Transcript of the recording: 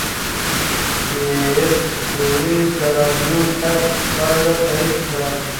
پېیر کوري د راډیوم کشف پایله تایید کړه.